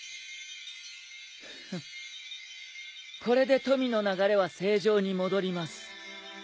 これで富の流れは正常に戻ります。